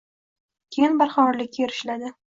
Keyin barqarorlikka erishiladi